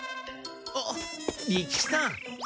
あっ利吉さん。